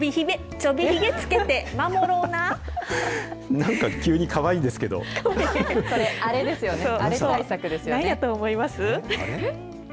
なんか急にかわいいんですけこれ、あれですよね、あれ対なんやと思います？